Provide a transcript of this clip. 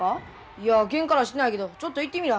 いやけんからしてないけどちょっと行ってみら。